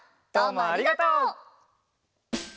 どうもありがとう！